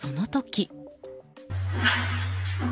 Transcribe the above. その時。